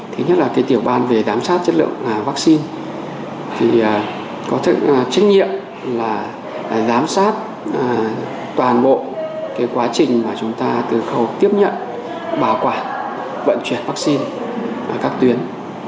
thứ nhất là cái tiểu ban về giám sát chất lượng vaccine thì có thức trách nhiệm là giám sát toàn bộ cái quá trình mà chúng ta từ khẩu tiếp nhận bảo quản vận chuyển vaccine ở các tuyến